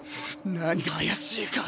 何が怪しいか！